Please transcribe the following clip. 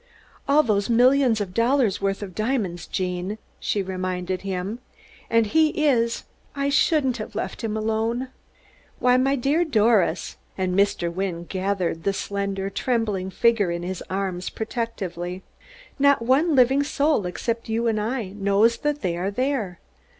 "All those millions of dollars' worth of diamonds, Gene," she reminded him, "and he is I shouldn't have left him alone." "Why, my dear Doris," and Mr. Wynne gathered the slender, trembling figure in his arms protectingly, "not one living soul, except you and I, knows that they are there.